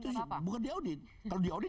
tiap tahun kita diaudit